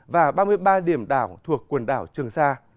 và ba mươi ba điểm đảo thuộc quần đảo trường sa